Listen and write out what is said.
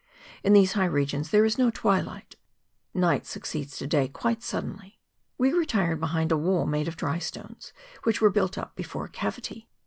In these high regions there is no twilight, night succeeds to day quite suddenly. We retired beliind a wall made of dry stones which were built up before a cavity.